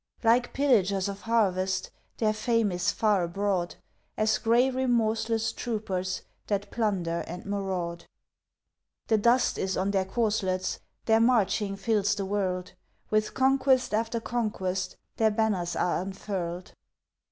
Like pillagers of harvest, Their fame is far abroad, As gray remorseless troopers That plunder and maraud. The dust is on their corselets; Their marching fills the world; With conquest after conquest Their banners are unfurled.